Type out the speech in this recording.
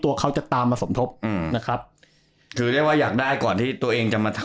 ตัวเขาจะตามมาสมทบอืมนะครับถือได้ว่าอยากได้ก่อนที่ตัวเองจะมาทำ